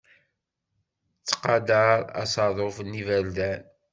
Ttqadar asaḍuf n yiberdan.